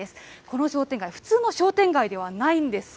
この商店街、普通の商店街ではないんです。